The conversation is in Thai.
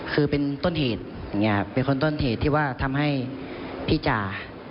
คือเป็นต้นเหตุอย่างนี้เป็นคนต้นเหตุที่ว่าทำให้พี่จ่า